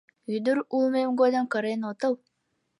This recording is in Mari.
— Ӱдыр улмем годым кырен отыл.